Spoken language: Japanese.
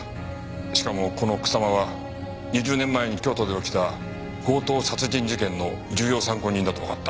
しかもこの草間は２０年前に京都で起きた強盗殺人事件の重要参考人だとわかった。